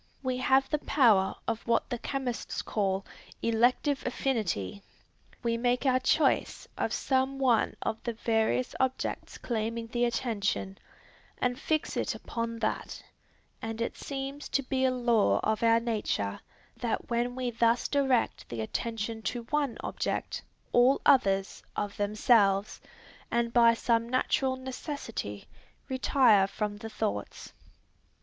We have the power of what the chemists call "elective affinity;" we make our choice of some one of the various objects claiming the attention, and fix it upon that; and it seems to be a law of our nature, that when we thus direct the attention to one object, all others, of themselves, and by some natural necessity, retire from the thoughts.